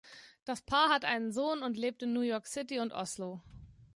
Das Paar hat einen Sohn und lebt in New York City und Oslo.